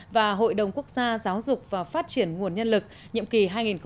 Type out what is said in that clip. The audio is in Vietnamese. và hội đồng quốc gia giáo dục và phát triển nguồn nhân lực nhiệm kỳ hai nghìn một mươi sáu hai nghìn hai mươi năm